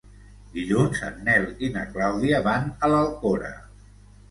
Dilluns en Nel i na Clàudia van a l'Alcora.